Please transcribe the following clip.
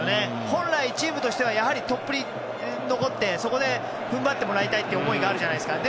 本来、チームとしてはやはりトップに残ってそこで踏ん張ってもらいたいという思いがあるじゃないですか。